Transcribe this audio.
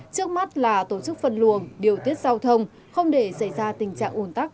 trước mắt là tổ chức phân luồng điều tiết giao thông không để xảy ra tình trạng ủn tắc